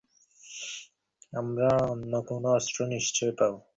আমরা অন্য কোন অস্ত্র নিশ্চয়ই পাবো!